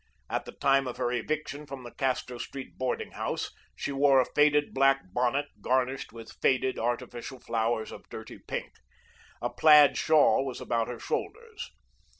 At the time of her eviction from the Castro Street boarding house, she wore a faded black bonnet, garnished with faded artificial flowers of dirty pink. A plaid shawl was about her shoulders.